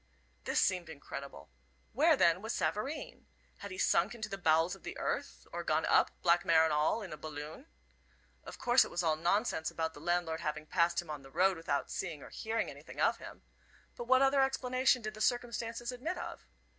This seemed incredible. Where, then, was Savareen? Had he sunk into the bowels of the earth, or gone up, black mare and all, in a balloon? Of course it was all nonsense about the landlord having passed him on the road without seeing or hearing anything of him. But what other explanation did the circumstances admit of?